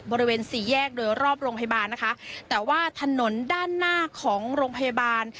บริเวณสี่แยกโดยรอบโรงพยาบาลนะคะแต่ว่าถนนด้านหน้าของโรงพยาบาล